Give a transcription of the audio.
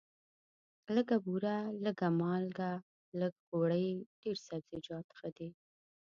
لږه بوره، لږه مالګه، لږ غوړي، ډېر سبزیجات ښه دي.